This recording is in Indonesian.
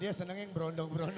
dia seneng yang berondong berondong